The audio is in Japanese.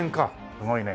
すごいね。